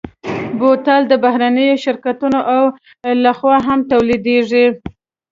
بوتل د بهرنيو شرکتونو لهخوا هم تولیدېږي.